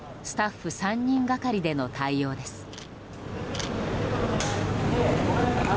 スタッフ３人がかりでの対応です。